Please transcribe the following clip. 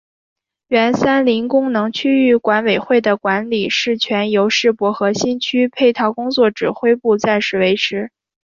原三林功能区域管委会的管理事权由世博核心区配套工作指挥部暂时维持。